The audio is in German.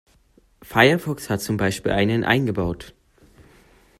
Firefox hat zum Beispiel einen eingebaut.